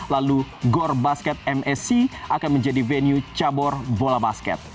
lalu gor basket msc akan menjadi venue cabur bola basket